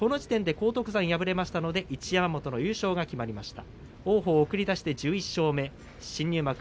荒篤山が敗れましたので一山本の優勝が決まりました。